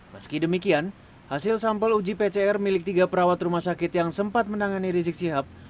meski demikian hasil sampel uji pcr milik tiga perawat rumah sakit yang sempat menangani rizik sihab